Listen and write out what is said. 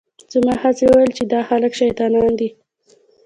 زما ښځې وویل چې دا خلک شیطانان دي.